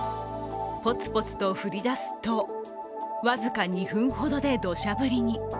ポツポツと降りだすと僅か２分ほどでどしゃ降りに。